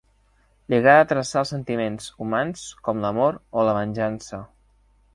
Li agrada traçar els sentiments humans, com l'amor o la venjança.